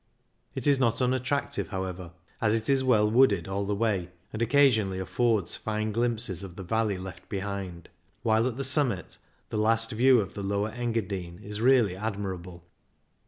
It is not unattractive, however, as it is well wooded all the way, and oc casionally affords fine glimpses of the valley left behind, while at the summit the last view of the lower Engadine is really admirable.